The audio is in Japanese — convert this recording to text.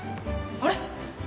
あれ？